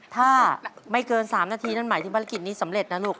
ถ้าไม่เกิน๓นาทีนั่นหมายถึงภารกิจนี้สำเร็จนะลูก